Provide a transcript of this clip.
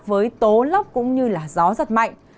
với tố lóc cũng như là gió giật mạnh